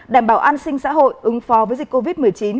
đảm bảo an sinh xã hội ứng phó với dịch covid một mươi chín